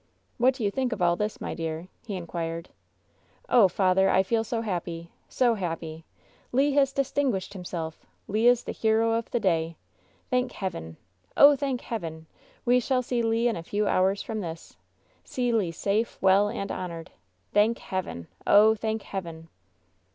"What do you think of all this, my dear?" he inquired. "Oh, father! I feel so happy! so happy I Le has dis tinguished himself! Le is the hero of the day! Thank Heaven! Oh, thank Heaven! We shall see Le in a few hours from this! See Le safe, well and honored! Thank Heaven! Oh, thank Heaven!"